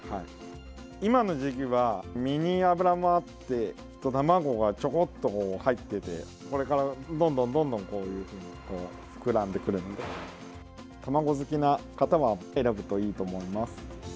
今の時期は、身に脂もあって卵がちょこっと入っていてこれからどんどん膨らんでくるので卵好きな方は選ぶといいと思います。